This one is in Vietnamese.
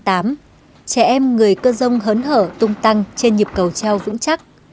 trẻ em người cơ rông hớn hở tung tăng trên nhịp cầu treo vững chắc